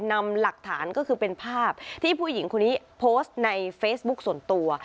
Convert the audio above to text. นำหลักฐานก็คือเป็นภาพที่ผู้หญิงคนนี้โพสต์ในเฟซบุ๊คส่วนตัว